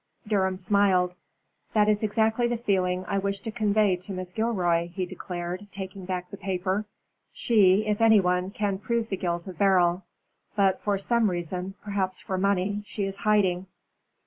Durham smiled. "That is exactly the feeling I wish to convey to Mrs. Gilroy," he declared, taking back the paper. "She, if any one, can prove the guilt of Beryl, but for some reason perhaps for money she is hiding.